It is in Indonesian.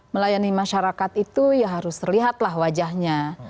melayani masyarakat itu ya harus terlihatlah wajahnya